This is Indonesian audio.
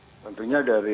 promoter untuknya dari